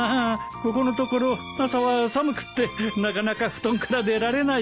ここのところ朝は寒くってなかなか布団から出られないからね。